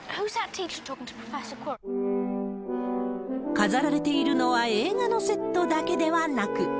飾られているのは映画のセットだけではなく。